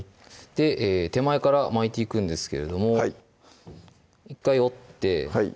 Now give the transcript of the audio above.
手前から巻いていくんですけれども１回折ってはい